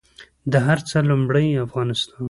د هر څه لومړۍ افغانستان